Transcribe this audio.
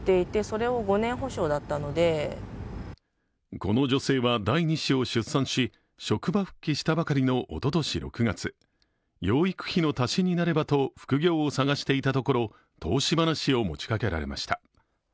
この女性は第２子を出産し職場復帰したばかりのおととし６月養育費の足しになればと副業を探していたところ、投資話を持ちかけられました。